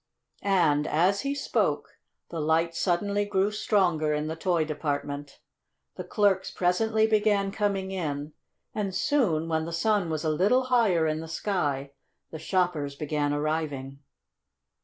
And, as he spoke, the light suddenly grew stronger in the toy department, the clerks presently began coming in, and soon, when the sun was a little higher in the sky, the shoppers began arriving.